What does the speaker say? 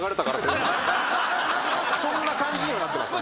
そんな感じにはなってましたね。